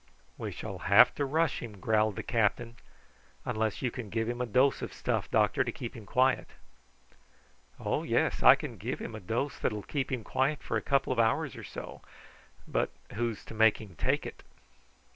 "We shall have to rush him," growled the captain; "unless you can give him a dose of stuff, doctor, to keep him quiet." "Oh, yes; I can give him a dose that will quiet him for a couple of hours or so, but who's to make him take it?"